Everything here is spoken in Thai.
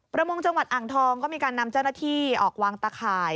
ประมงจังหวัดอ่างทองก็มีการนำเจ้าหน้าที่ออกวางตะข่าย